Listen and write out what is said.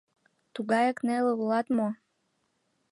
Тугаяк неле улат мо?